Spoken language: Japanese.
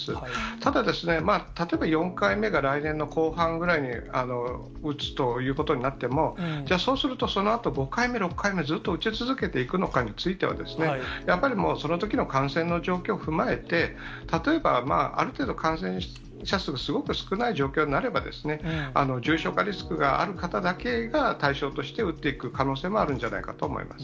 ただ、例えば４回目が来年の後半ぐらいに打つということになっても、じゃあ、そうするとそのあと、５回目、６回目、ずっと打ち続けていくのかについては、やっぱり、もうそのときの感染の状況を踏まえて、例えば、ある程度感染者数がすごく少ない状況になれば、重症化リスクがある方だけが、対象として打っていく可能性もあるんじゃないかなと思います。